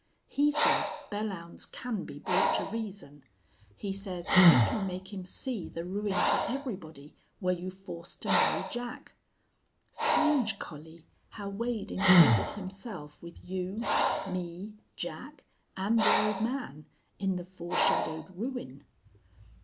He says Belllounds can be brought to reason. He says he can make him see the ruin for everybody were you forced to marry Jack. Strange, Collie, how Wade included himself with, you, me, Jack, and the old man, in the foreshadowed ruin!